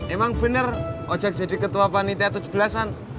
emang benar ojak jadi ketua panitia tujuh belas an